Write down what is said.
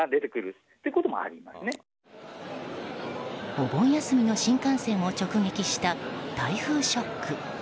お盆休みの新幹線を直撃した台風ショック。